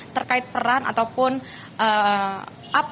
terkait peran ataupun apa yang terjadi